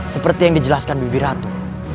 seperti yang dijelaskan bibi ratu